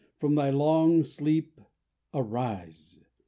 From thy long sleep arise!